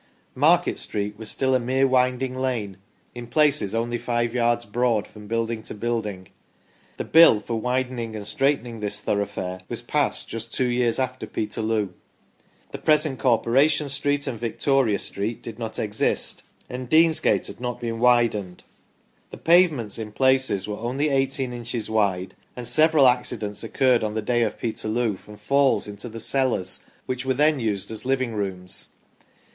Market Street was still a mere winding lane, in places only five yards broad from building to building ; the Bill for widening and straightening this thoroughfare was passed just two years after Peterloo. The present Corporation Street and Victoria Street did not exist, and Deansgate "ORATOR" HUNT, 1773 1835 CHAIRMAN OF THE PETERLOO MEETING THE CHAIRMAN OF THE MEETING 23 had not been widened. The pavements in places were only 1 8 inches wide, and several accidents occurred on the day of Peterloo from falls into the cellars which were then used as living rooms.